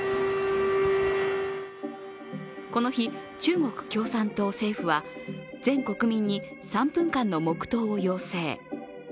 この日、中国共産党・政府は、全国民に３分間の黙祷を要請。